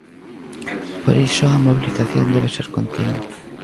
Por iso a mobilización debe ser continua.